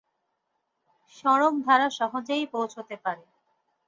সড়ক দ্বারা সহজেই পৌঁছতে পারে।